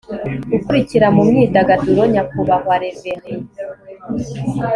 gukurikira mu myidagaduro nyakubahwa reverie